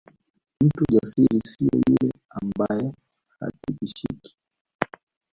Mtu jasiri sio yule ambaye hatishiki